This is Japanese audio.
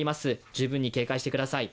十分に注意、警戒をしてください。